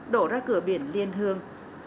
đổ ra cửa biển liên hương